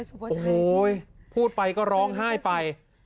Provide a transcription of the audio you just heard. โอ้โหพูดไปก็ร้องไห้ไป